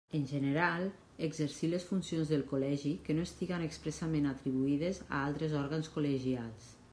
En general, exercir les funcions del Col·legi que no estiguen expressament atribuïdes a altres òrgans col·legials.